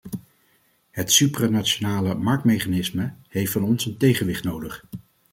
Het supranationale marktmechanisme heeft van ons een tegenwicht nodig.